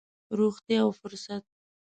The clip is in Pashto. روغتيا او فرصت.